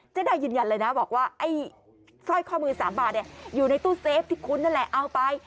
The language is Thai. จะได้ยืนยันเลยนะบอกว่าซ่อยข้อมือ๓บาทอยู่ในตู้เซฟที่คุณเอาไป